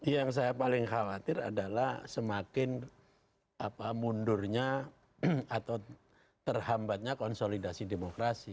yang saya paling khawatir adalah semakin mundurnya atau terhambatnya konsolidasi demokrasi